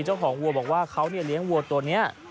เจ้าของวัวบอกว่าเขาเลี้ยงวัวตัวนี้